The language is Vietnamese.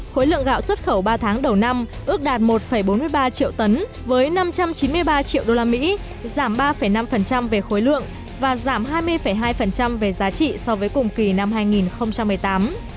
khối lượng gạo xuất khẩu ba tháng đầu năm ước đạt một bốn mươi ba triệu tấn với năm trăm chín mươi ba triệu usd giảm ba năm về khối lượng và giảm hai mươi hai về giá trị so với cùng kỳ năm hai nghìn một mươi tám